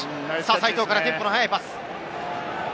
齋藤からテンポの速いパス。